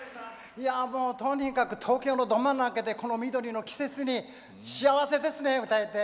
もうとにかく東京のど真ん中でこの緑の季節に幸せですね歌えて。